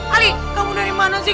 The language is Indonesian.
ali kamu dari mana sih